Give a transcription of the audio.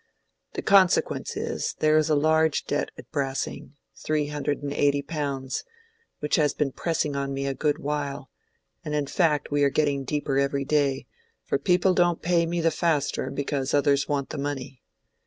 The consequence is, there is a large debt at Brassing—three hundred and eighty pounds—which has been pressing on me a good while, and in fact we are getting deeper every day, for people don't pay me the faster because others want the money.